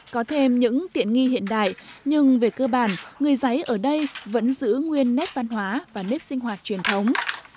có thêm những tiện nghi hiện đại nhưng về cơ bản người giấy ở đây vẫn giữ nguyên nét văn hóa và nếp sinh hoạt truyền thống